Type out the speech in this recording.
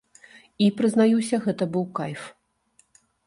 І, прызнаюся, гэта быў кайф!